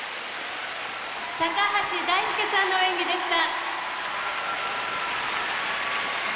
「橋大輔さんの演技でした」。